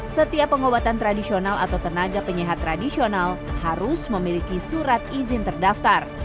setiap pengobatan tradisional atau tenaga penyehat tradisional harus memiliki surat izin terdaftar